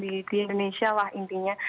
di indonesia lah intinya